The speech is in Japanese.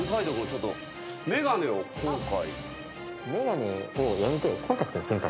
ちょっと眼鏡を今回。